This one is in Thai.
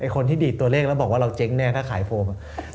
คนที่ดีดตัวเลขแล้วบอกว่าเราเจ๊งเนี่ยถ้าขายโฟม